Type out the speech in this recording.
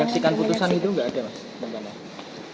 memaksikan keputusan itu nggak ada mas